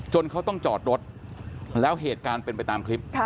เขาต้องจอดรถแล้วเหตุการณ์เป็นไปตามคลิป